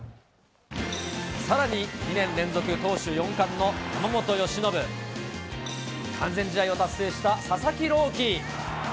さらに、２年連続投手４冠の山本由伸、完全試合を達成した佐々木朗希。